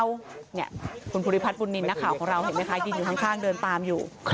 เนี่ยคุณภูริพัฒน์ภูรินินทร์หน้าข่าวของเราเห็นไหมคะกินอยู่ข้างเดินตามอยู่